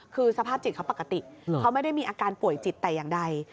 คือสภาพจิตเขาปกติเขาไม่ได้มีอาการป่วยจิตแต่อย่างใด